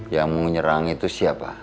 yang mau nyerang itu siapa